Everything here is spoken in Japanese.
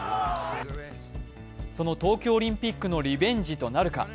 その東京オリンピックのリベンジとなるか？